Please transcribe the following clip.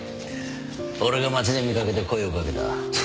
俺が街で見掛けて声を掛けた。